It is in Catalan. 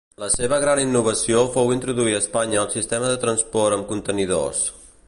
La seva gran innovació fou introduir a Espanya el sistema de transport amb contenidors.